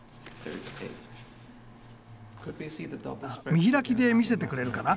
見開きで見せてくれるかな。